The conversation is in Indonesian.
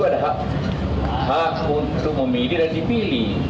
karena saya ada hak untuk memilih dan dipilih